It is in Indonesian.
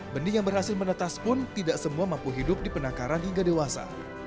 benih yang berhasil menetas pun tidak semua mampu hidup di penakaran hingga dewasa